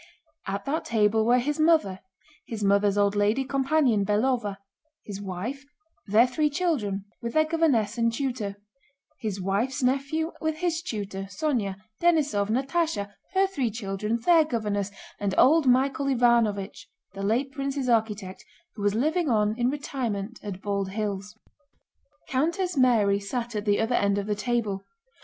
At that table were his mother, his mother's old lady companion Belóva, his wife, their three children with their governess and tutor, his wife's nephew with his tutor, Sónya, Denísov, Natásha, her three children, their governess, and old Michael Ivánovich, the late prince's architect, who was living on in retirement at Bald Hills. Countess Mary sat at the other end of the table.